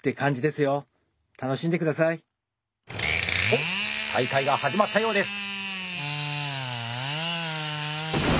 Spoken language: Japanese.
おっ大会が始まったようです！